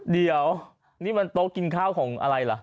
เดี๋ยวนี่มันโต๊ะกินข้าวของอะไรล่ะ